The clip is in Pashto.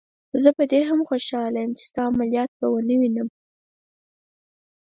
زه په دې هم خوشحاله یم چې ستا عملیات به ونه وینم.